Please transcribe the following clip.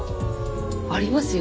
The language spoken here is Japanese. ありますよ